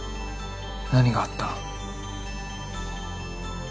何があった？